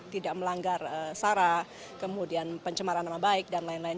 tidak melanggar sara kemudian pencemaran nama baik dan lain lain